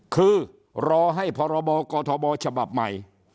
คือรอให้พรบกทบฉบับใหม่